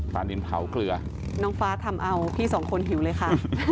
ดินเผาเกลือน้องฟ้าทำเอาพี่สองคนหิวเลยค่ะ